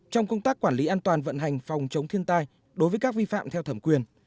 trong công tác quản lý an toàn vận hành phòng chống thiên tai đối với các vi phạm theo thẩm quyền